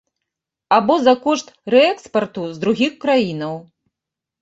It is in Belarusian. Або за кошт рээкспарту з другіх краінаў.